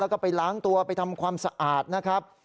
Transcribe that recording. แล้วก็ไปล้างตัวไปทำความสะอาดนะครับ